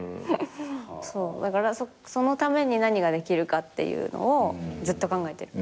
だからそのために何ができるかっていうのをずっと考えてる。